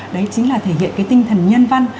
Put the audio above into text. đấy chính là thể hiện tinh thần nhân văn